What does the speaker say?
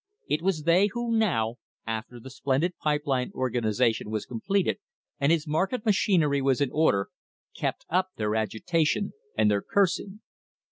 It was they who now, after the splendid pipe line organisa tion was completed and his market machinery was in order, kept up their agitation and their cursing.